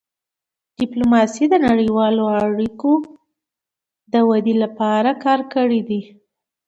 ډيپلوماسي د نړیوالو اړیکو د ودې لپاره کار کړی دی.